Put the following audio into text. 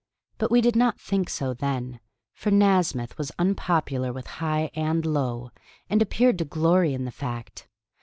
But we did not think so then, for Nasmyth was unpopular with high and low, and appeared to glory in the fact.